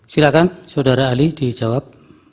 silahkan saudara ahli dijawab